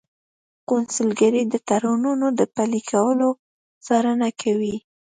قونسلګرۍ د تړونونو د پلي کولو څارنه کوي